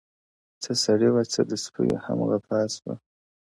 • څه سړي وه څه د سپيو هم غپا سوه -